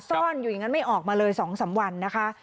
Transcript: ซ่อนอยู่อย่างนั้นไม่ออกมาเลย๒๓วันนะคะ